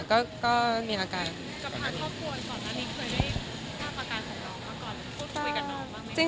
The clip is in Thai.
คุณก่อนหน้านี้เคยได้ทราบประการของน้องมาก่อนคุณพูดคุยกับน้องบ้างไหม